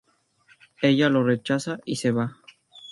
Ella lo rechaza y se va.